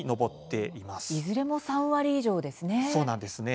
いずれも３割以上ですね。